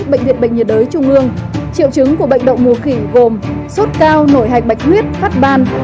bệnh viện bệnh nhiệt đới trung ương triệu chứng của bệnh động mù khỉ gồm sốt cao nổi hạch bạch huyết phát ban